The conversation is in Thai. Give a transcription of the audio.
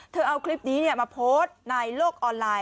เอาคลิปนี้มาโพสต์ในโลกออนไลน์